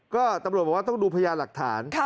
ก็ตำรวจบอกว่าต้องดูพยานหลักฐาน